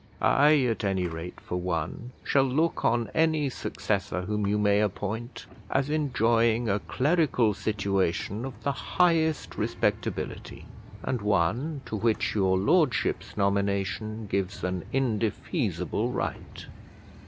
I, at any rate for one, shall look on any successor whom you may appoint as enjoying a clerical situation of the highest respectability, and one to which your Lordship's nomination gives an indefeasible right.